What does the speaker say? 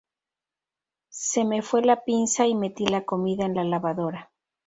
Se me fue la pinza y metí la comida en la lavadora